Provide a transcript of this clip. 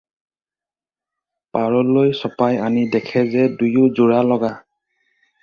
পাৰলৈ চপাই আনি দেখে যে দুয়ো যোৰা লগা।